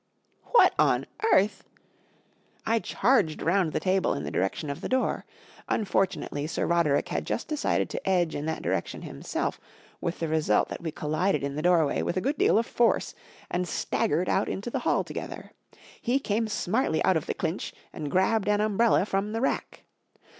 44 What on earth ?" I charged round the table in the direction of the door. Unfortunately, Sir Roderick had just decided to edge in that direction himself, with the result that we collided in the doorway with a good deal of force, and staggered out into the hall together. He came smartly out of the clinch and grabbed an umbrella from the rack.